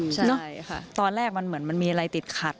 ใช่ค่ะตอนแรกมันเหมือนมันมีอะไรติดขัด